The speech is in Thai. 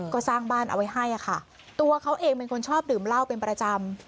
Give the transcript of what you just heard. ก็สร้างบ้านเอาไว้ให้ค่ะตัวเขาเองเป็นคนชอบดื่มเหล้าเป็นประจำ